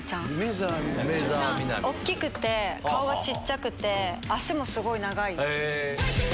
大きくて顔が小さくて脚もすごい長い。